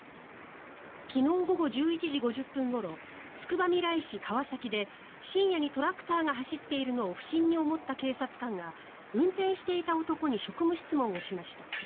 昨日午後１１時５０分ごろつくばみらい市川崎で深夜にトラクターが走っているのを不審に思った警察官が運転していた男に職務質問をしました。